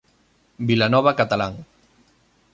Vilanova catalán.